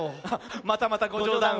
またまたごじょうだんを。